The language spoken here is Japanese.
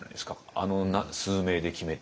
あの数名で決めて。